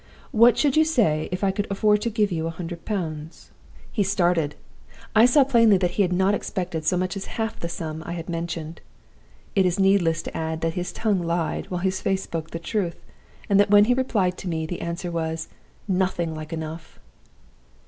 What should you say if I could afford to give you a hundred pounds?' "He started. I saw plainly that he had not expected so much as half the sum I had mentioned. It is needless to add that his tongue lied, while his face spoke the truth, and that when he replied to me the answer was, 'Nothing like enough.